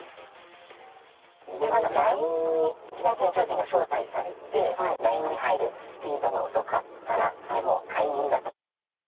自分のＬＩＮＥに店長陣が招待されて、ＬＩＮＥに入るスピードが遅かったら、もう解任だと。